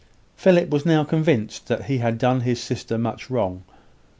Philip was now convinced that he had done his sister much wrong.